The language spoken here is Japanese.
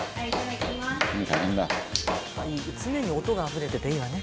「常に音があふれてていいわね」